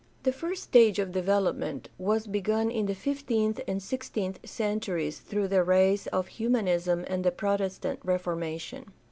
— The first stage of development was begun in the fifteenth and sixteenth centuries through the rise of Humanism and the Protestant Reformation.